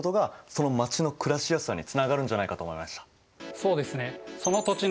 そうですね。